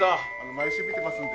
毎週見てますんで。